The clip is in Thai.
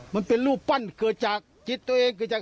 มันเป็นรูปปั้นเกิดจากจิตตัวเองเกิดจาก